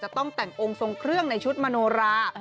ต้องแต่งองค์ทรงเครื่องในชุดมโนรา